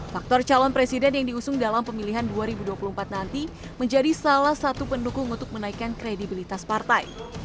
faktor calon presiden yang diusung dalam pemilihan dua ribu dua puluh empat nanti menjadi salah satu pendukung untuk menaikkan kredibilitas partai